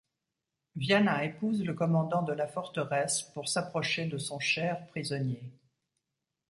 Viana épouse le commandant de la forteresse pour s'approcher de son cher prisonnier...